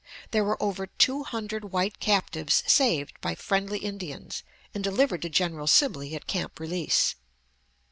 There were over two hundred white captives saved by friendly Indians and delivered to General Sibley at Camp Release.